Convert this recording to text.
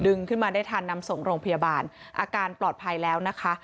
ขึ้นมาได้ทันนำส่งโรงพยาบาลอาการปลอดภัยแล้วนะคะ